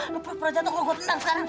lo perjatuh gue tenang sekarang